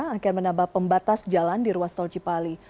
akan menambah pembatas jalan di ruas tol cipali